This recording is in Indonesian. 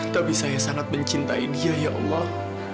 tapi saya sangat mencintai dia ya allah